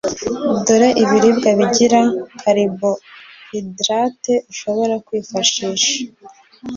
Dore ibiribwa bigira caribohidrate ushobora kwifashisha: